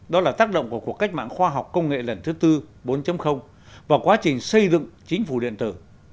đó là tác động của cuộc cách mạng khoa học công nghệ lần thứ tư bốn và quá trình xây dựng chính phủ điện tử